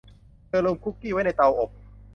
เธอลืมคุกกี้ไว้ในเตาอบ